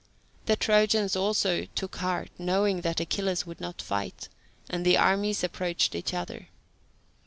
The Trojans also took heart, knowing that Achilles would not fight, and the armies approached each other.